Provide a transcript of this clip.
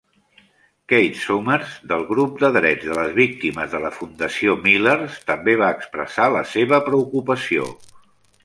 Kate Summers, del grup de drets de les víctimes de la Fundació Milers, també va expressar la seva preocupació.